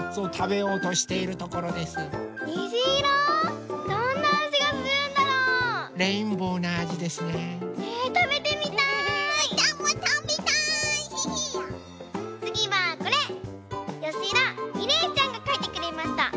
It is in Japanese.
よしだみれいちゃんがかいてくれました。